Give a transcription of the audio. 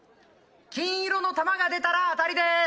金色の玉が出たら当たりです。